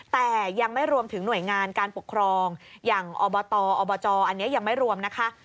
แต่ยังไม่รวมถึงหน่วยงานการปกครองอย่างอบตอบจอันนี้ยังไม่รวมนะคะ